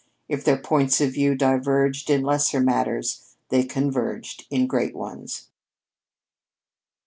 If their points of view diverged in lesser matters, they converged in great ones.